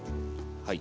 はい。